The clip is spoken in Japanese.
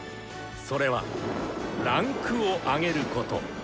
それは「位階を上げる」こと。